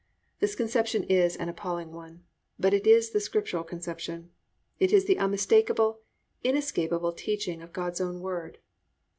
This conception is an appalling one, but it is the Scriptural conception. It is the unmistakable, inescapable teaching of God's own word.